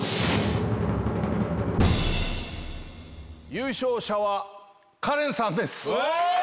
優勝者はカレンさんです。